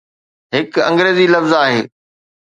هڪ انگريزي لفظ آهي.